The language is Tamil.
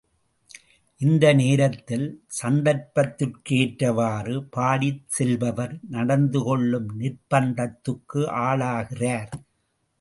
இந்த நேரத்தில் சந்தர்ப்பத்திற்கு ஏற்றவாறு பாடிச் செல்பவர் நடந்துகொள்ளும் நிர்ப்பந்தத்துக்கு ஆளாகிறார்.